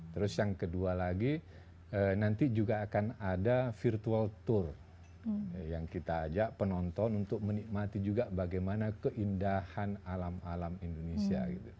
terus yang kedua lagi nanti juga akan ada virtual tour yang kita ajak penonton untuk menikmati juga bagaimana keindahan alam alam indonesia